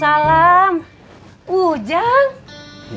terima kasih mak